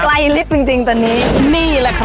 ไกรลิฟจริงตอนนี้